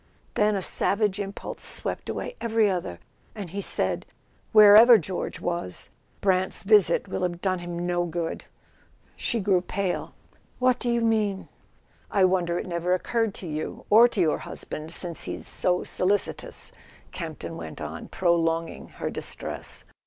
Then a savage impulse swept away every other, and he said: "Wherever George was, Brant's visit will have done him no good." [ 239 ] A SON AT THE FRONT She grew pale. "What do you mean?" "I wonder it never occurred to you—or to your husband, since he's so solicitous," Campton went on, prolonging her distress.